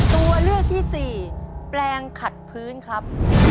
ตัวเลือกที่สี่แปลงขัดพื้นครับ